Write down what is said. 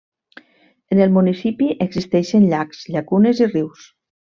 En el municipi existeixen Llacs, Llacunes i Rius.